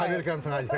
kita hadirkan sengaja